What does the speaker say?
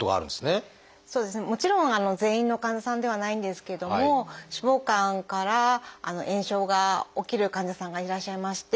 もちろん全員の患者さんではないんですけども脂肪肝から炎症が起きる患者さんがいらっしゃいまして。